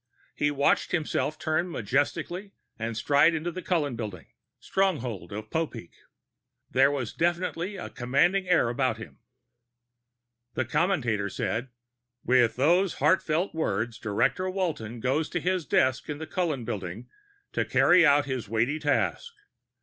He watched himself turn majestically and stride into the Cullen Building, stronghold of Popeek. There was definitely a commanding air about him. The commentator was saying, "With those heartfelt words, Director Walton goes to his desk in the Cullen Building to carry out his weighty task.